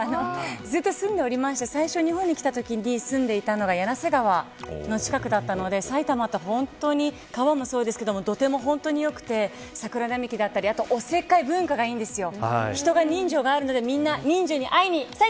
ずっと住んでおりまして最初、日本に来たときに住んでいたのが柳瀬川の近くだったので埼玉はほんとに、川もそうですけどとても本当に良くて桜並木だったりをおせっかい文化がいいんですよ。